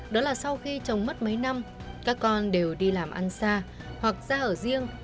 đó là sau khi chồng mất mấy năm các con đều đi làm ăn xa hoặc ra ở riêng